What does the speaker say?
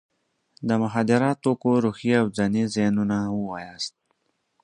د مخدره توکو روحي او ځاني زیانونه ووایاست.